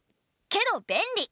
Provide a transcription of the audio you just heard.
けど便利。